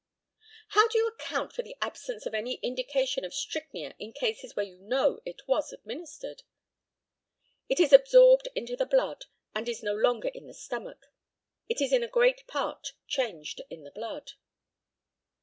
How do you account for the absence of any indication of strychnia in cases where you know it was administered? It is absorbed into the blood, and is no longer in the stomach. It is in a great part changed in the blood.